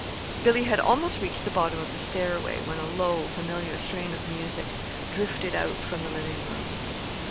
Billy had almost reached the bottom of the stairway, when a low, familiar strain of music drifted out from the living room.